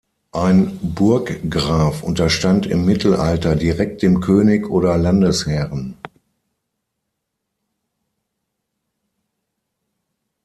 Ein Burggraf unterstand im Mittelalter direkt dem König oder Landesherren.